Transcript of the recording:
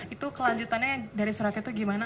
itu kelanjutannya dari surat itu gimana